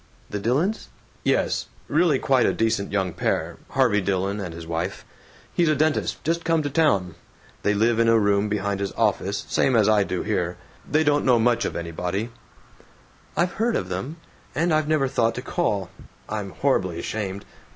"The Dillons?" "Yes. Really quite a decent young pair Harvey Dillon and his wife. He's a dentist, just come to town. They live in a room behind his office, same as I do here. They don't know much of anybody " "I've heard of them. And I've never thought to call. I'm horribly ashamed.